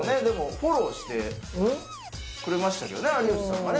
フォローしてくれましたけどね有吉さんがね